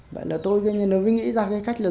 vậy là tôi nó cứ nghĩ ra cái cách là